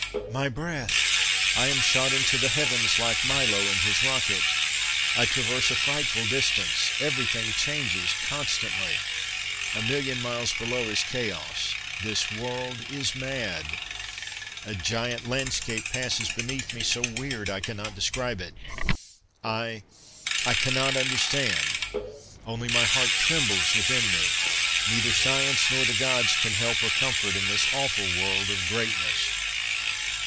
_ "My breath! I am shot into the heavens like Milo and his rocket! I traverse a frightful distance! Everything changes constantly. A million miles below is chaos. This world is mad! A giant landscape passes beneath me, so weird I cannot describe it. I I cannot understand. Only my heart trembles within me. Neither Science nor the gods can help or comfort in this awful world of Greatness!